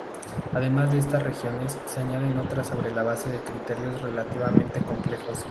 Además de estas regiones, se añaden otras sobre la base de criterios relativamente complejos.